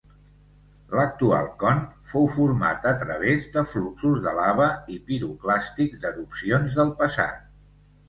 L'actual con fou format a través de fluxos de lava i piroclàstics d'erupcions del passat.